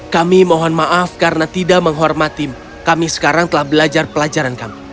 kami mohon maaf karena tidak menghormati kami sekarang telah belajar pelajaran kami